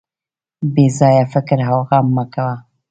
بې ځایه فکر او غم مه کوه.